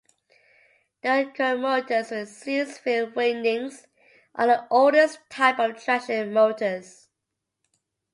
Direct-current motors with series field windings are the oldest type of traction motors.